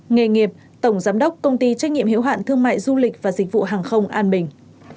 nghề nghiệp tổng giám đốc công ty trách nhiệm hiểu hạn thương mại du lịch và dịch vụ hàng không an bình